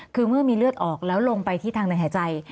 คือเมื่อมีเลือดออกแล้วลงไปที่ทางในหายใจ